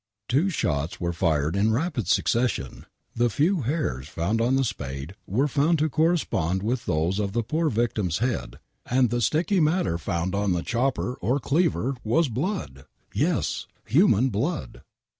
Two shots were fired in rapid succession ! The few hairs found on the spade were found to correspond with those of the poor victim's head, and the atick^' matter found on the chopper or cleaver was blood, yes, human blood